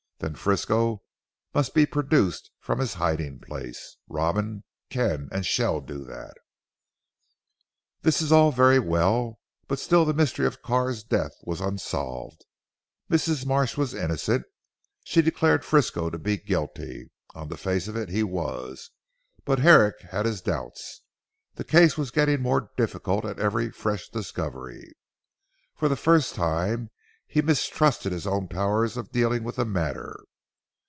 Then Frisco must be produced from his hiding place. Robin can and shall do that." This was all very well, but still the mystery of Carr's death was unsolved. Mrs. Marsh was innocent. She declared Frisco to be guilty. On the face of it, he was. But Herrick had his doubts. The case was getting more difficult at every fresh discovery. For the first time he mistrusted his own powers of dealing with the matter.